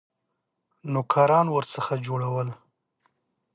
نوکران ورڅخه جوړول.